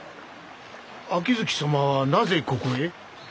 秋月様はなぜここへ？